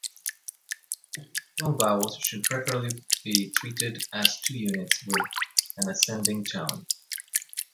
Long vowels should preferably be treated as two units with an ascending tone.